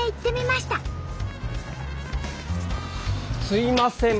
すいません。